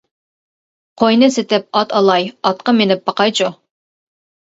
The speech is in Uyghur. قوينى سېتىپ، ئات ئالاي، ئاتقا مىنىپ باقايچۇ.